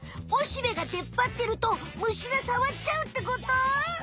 オシベが出っ張ってるとむしがさわっちゃうってこと？